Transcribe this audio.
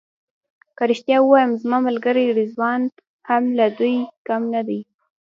که رښتیا ووایم زما ملګری رضوان هم له دوی کم نه دی.